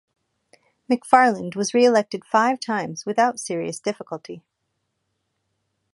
McFarland was re-elected five times without serious difficulty.